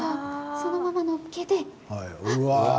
そのまま載っけて。